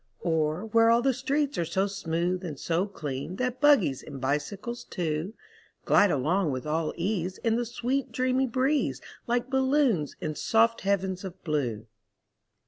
Or where all the streets are so smooth and so clean That buggies and bicycles, too, Glide along with all ease in the sweet dreamy breeze, Like balloons in soft heavens of blue?